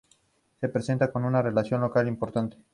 Se presenta con una reacción local importante.